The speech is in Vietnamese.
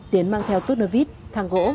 tiến mang theo tốt nơ vít thang gỗ